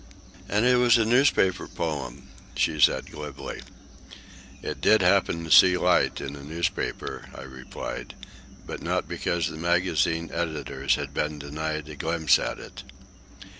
'" "And it was a newspaper poem," she said glibly. "It did happen to see the light in a newspaper," I replied, "but not because the magazine editors had been denied a glimpse at it."